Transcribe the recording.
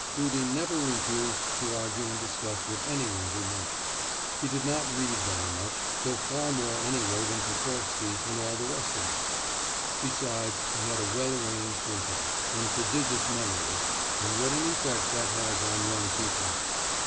Rudin never refused to argue and discuss with any one he met. He did not read very much, though far more anyway than Pokorsky and all the rest of us; besides, he had a well arranged intellect, and a prodigious memory, and what an effect that has on young people!